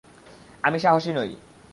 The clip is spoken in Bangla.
আমি সাহসী নই।